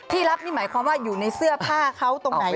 รับนี่หมายความว่าอยู่ในเสื้อผ้าเขาตรงไหน